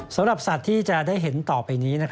สำหรับสัตว์ที่จะได้เห็นต่อไปนี้